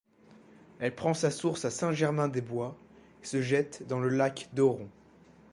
Elle prend sa source à Saint-Germain-des-Bois et se jette dans le lac d'Auron.